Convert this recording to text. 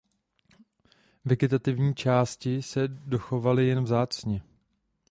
Vegetativní části se dochovaly jen vzácně.